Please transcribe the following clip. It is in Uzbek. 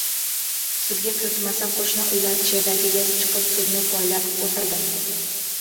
Sudga kiritmasa, qo‘shni uylar cherdagiga chiqib sudni poylabo‘tirdim.